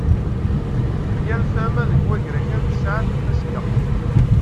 Yal tama deg wagrakal tesɛa tafaska.